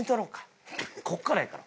ここからやから。